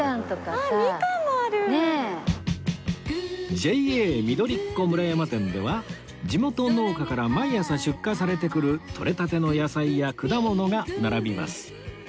ＪＡ みどりっ子村山店では地元農家から毎朝出荷されてくるとれたての野菜や果物が並びます